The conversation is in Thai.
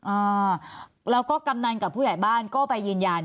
อ่าแล้วก็กำนันกับผู้ใหญ่บ้านก็ไปยืนยัน